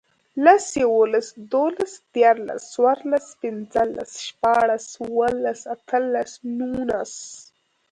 لس, یوولس, دوولس, دیرلس، څورلس, پنځلس, شپاړس, اووهلس, اتهلس, نونس